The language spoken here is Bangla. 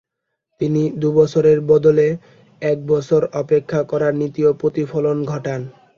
তিনি দু'বছরের বদলে একবছর অপেক্ষা করার নীতিরও প্রতিফলন ঘটান।